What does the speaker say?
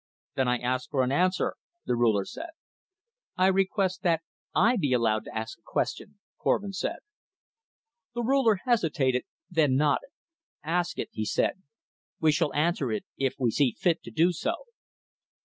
"Then I ask for an answer," the Ruler said. "I request that I be allowed to ask a question," Korvin said. The Ruler hesitated, then nodded. "Ask it," he said. "We shall answer it if we see fit to do so."